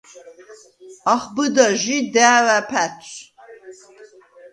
ახბჷდა ჟი და̄̈ვა̈ ფა̈თვს.